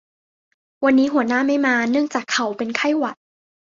วันนี้หัวหน้าไม่มาเนื่องจากเขาเป็นไข้หวัด